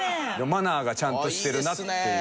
マナーがちゃんとしてるなっていう。